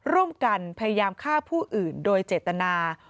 ร่วมกันพยายามฆ่าผู้อื่นโดยเจตนา